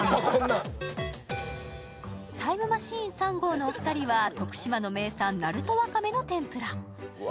タイムマシーン３号のお二人は徳島の名産、鳴門わかめの天ぷら。